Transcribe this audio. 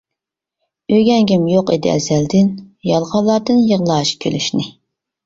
ئۆگەنگۈم يوق ئىدى ئەزەلدىن، يالغانلاردىن يىغلاش، كۈلۈشنى.